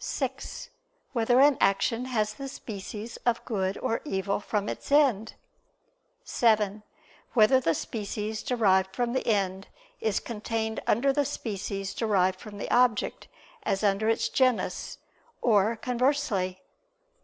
(6) Whether an action has the species of good or evil from its end? (7) Whether the species derived from the end is contained under the species derived from the object, as under its genus, or conversely?